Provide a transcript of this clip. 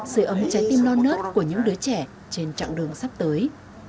sửa ấm trái tim non nớt của những đứa trẻ trên chặng đường sắp tới